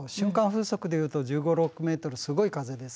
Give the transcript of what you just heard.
風速で言うと１５１６メートルすごい風です。